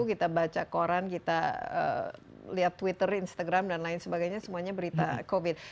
kita baca koran kita lihat twitter instagram dan lain sebagainya semuanya berita covid